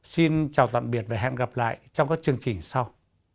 xin chào tạm biệt và hẹn gặp lại trong các chương trình sau